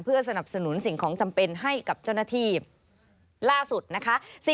เพื่อสนับสนุนสิ่งของจำเป็นให้กับเจ้าหน้าที่ล่าสุดนะคะ